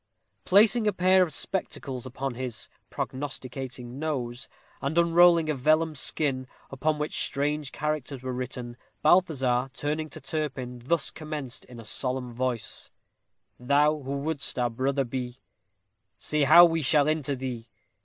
Placing a pair of spectacles upon his "prognosticating nose," and unrolling a vellum skin, upon which strange characters were written, Balthazar, turning to Turpin, thus commenced in a solemn voice: Thou who wouldst our brother be, Say how we shall enter thee?